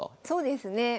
そうですね。